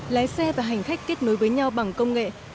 lái xe và hành khách kết nối với nhau bằng công nghệ